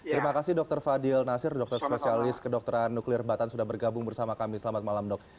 terima kasih dokter fadil nasir dokter spesialis kedokteran nuklir batan sudah bergabung bersama kami selamat malam dok